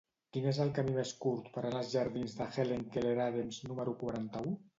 Quin és el camí més curt per anar als jardins de Helen Keller Adams número quaranta-u?